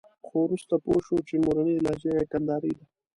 خو وروسته پوه شو چې مورنۍ لهجه یې کندارۍ ده.